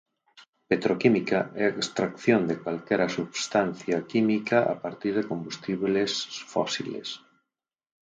Petroquímica é a extracción de calquera substancia química a partir de combustibles fósiles.